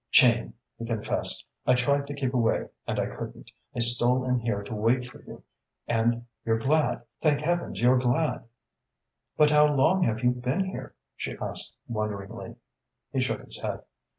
"Jane," he confessed, "I tried to keep away and I couldn't. I stole in here to wait for you. And you're glad thank heavens you're glad!" "But how long have you been here?" she asked wonderingly. He shook his head.